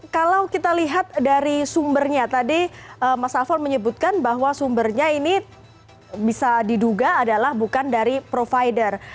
kalau kita lihat dari sumbernya tadi mas alfon menyebutkan bahwa sumbernya ini bisa diduga adalah bukan dari provider